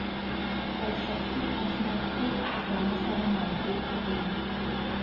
خپل شخصي اسناد ټول زما سره موجود دي.